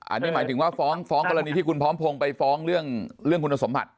อันนี้หมายถึงว่าฟ้องกรณีที่คุณพร้อมพงศ์ไปฟ้องเรื่องคุณสมบัติ